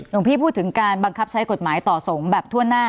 หลวงพี่พูดถึงการบังคับใช้กฎหมายต่อสงฆ์แบบทั่วหน้า